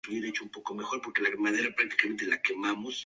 Su hábitat natural son los lagos y los pantanos de agua dulce.